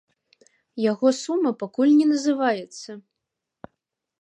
Яго сума пакуль не называецца.